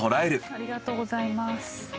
ありがとうございます。